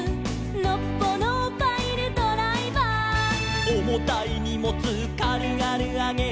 「のっぽのパイルドライバー」「おもたいにもつかるがるあげる」